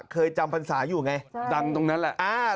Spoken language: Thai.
เคยจำพรรษาอยู่ไงดังตรงนั้นแหละ